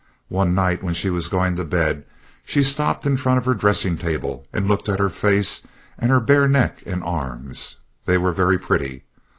One night, when she was going to bed, she stopped in front of her dressing table and looked at her face and her bare neck and arms. They were very pretty.